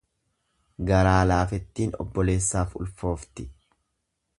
Garaa laafettin obboleessaaf ulfoofti.